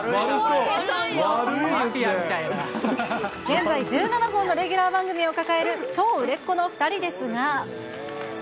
現在、１７本のレギュラー番組を抱える、超売れっ子の２人ですが。